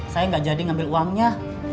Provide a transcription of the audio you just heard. saya nggak jadi ngambil uangnya